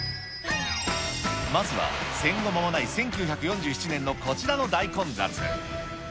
まずは戦後まもない１９４７年のこちらの大混雑。